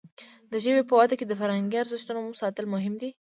د ژبې په وده کې د فرهنګي ارزښتونو ساتل مهم دي.